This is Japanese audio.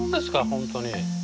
本当に。